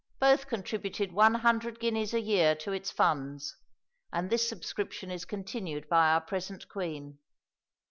both contributed one hundred guineas a year to its funds, and this subscription is continued by our present Queen.